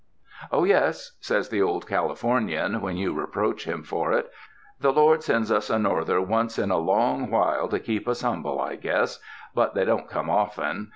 *'0h, yes," says the Old Calif ornian, when you re proach him for it, ''the Lord sends us a norther once in a long while to keep us humble, I guess, but they don't come often.